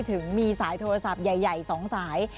ถึงมีสายโทรศัพท์ใหญ่๒สาย